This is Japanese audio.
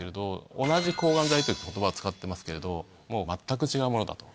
同じ抗ガン剤という言葉を使っていますけれどももう全く違うものだと。